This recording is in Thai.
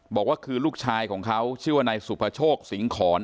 บอกว่าคือลูกชายของเขาชื่อว่านายสุภโชคสิงหอน